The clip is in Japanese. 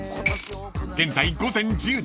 ［現在午前１０時